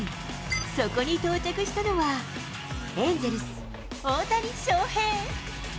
そこに到着したのは、エンゼルス、大谷翔平。